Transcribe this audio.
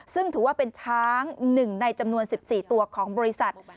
ซึ่งถือว่าเป็นช้าง๑ในจำนวน๑๔ตัวของบริษัท